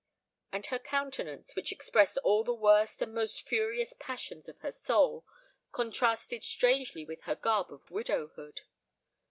And her countenance, which expressed all the worst and most furious passions of her soul, contrasted strangely with her garb of widowhood.